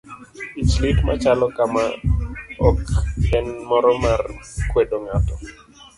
Ich lit machalo kama ok en moro mar kwedo ng'ato.